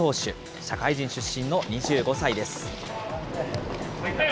社会人出身の２５歳です。